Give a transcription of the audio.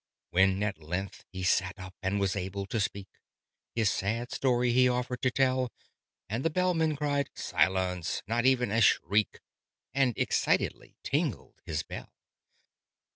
When at length he sat up and was able to speak, His sad story he offered to tell; And the Bellman cried "Silence! Not even a shriek!" And excitedly tingled his bell.